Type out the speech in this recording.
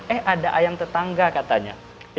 eh ada ayam tetangga katanya